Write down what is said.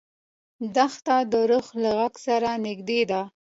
دښته د روح له غږ سره نږدې ده.